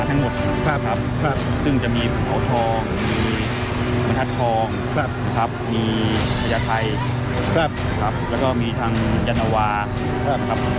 เราก็จะรอดลงธานีทั้งเคียงนะครับ